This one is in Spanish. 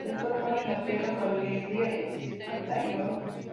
El sol pone en la tierra su alegría de plata y oro.